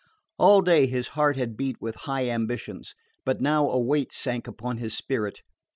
All day his heart had beat with high ambitions; but now a weight sank upon his spirit.